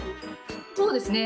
そうですね。